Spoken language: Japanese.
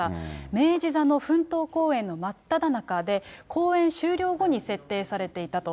明治座の奮闘公演の真っただ中で、公演終了後に設定されていたと。